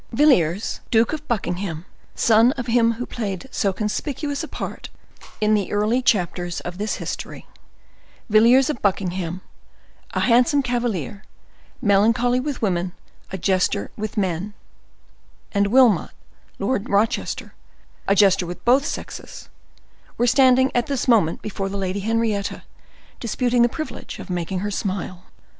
Villiers, Duke of Buckingham, son of him who played so conspicuous a part in the early chapters of this history,—Villiers of Buckingham, a handsome cavalier, melancholy with women, a jester with men,—and Wilmot, Lord Rochester, a jester with both sexes, were standing at this moment before the Lady Henrietta, disputing the privilege of making her smile.